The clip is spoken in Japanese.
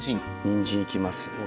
にんじんいきます。